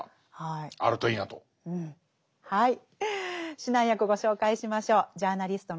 指南役ご紹介しましょう。